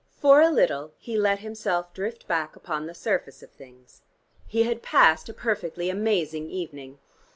For a little he let himself drift back upon the surface of things. He had passed a perfectly amazing evening.